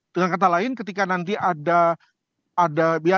dengan kata lain ketika nanti ada biaya